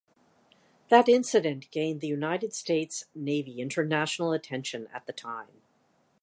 That incident gained the United States Navy international attention at the time.